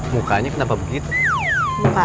mukanya kenapa begitu